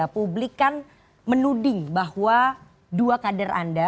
publik kan menuding bahwa dua kader anda